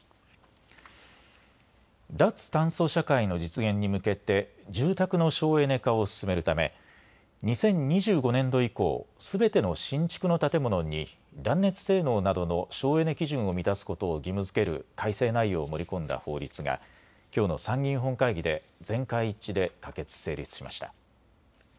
脱炭素社会の実現に向けて住宅の省エネ化を進めるため２０２５年度以降、すべての新築の建物に断熱性能などの省エネ基準を満たすことを義務づける改正内容を盛り込んだ法律がきょうの参議院本会議で全会一致で可決・成立しました。